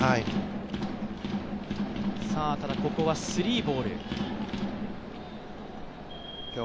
ただここはスリーボール。